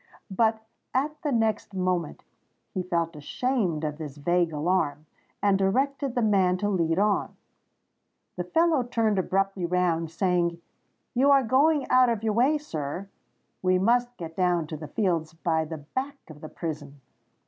But at the next moment he felt ashamed of this vague alarm, and directed the man to lead on. The fellow turned abruptly round, saying, "You are going out of your way, sir. We must get down to the Fields by the back of the prison."